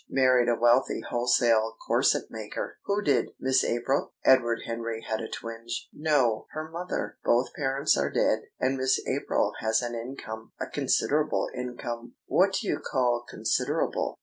Married a wealthy wholesale corset maker." "Who did? Miss April?" Edward Henry had a twinge. "No; her mother. Both parents are dead, and Miss April has an income a considerable income." "What do you call considerable?"